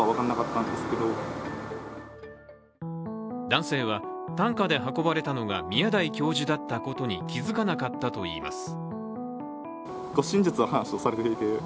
男性は、担架で運ばれたのが宮台教授と気づかなかったといいます。